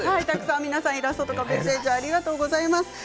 イラストとメッセージありがとうございます。